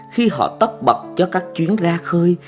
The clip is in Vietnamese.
khi họ tóc bậc cho các chuyến ra khơi